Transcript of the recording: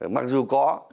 mặc dù có